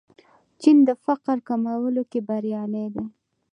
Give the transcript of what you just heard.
چین د فقر کمولو کې بریالی دی.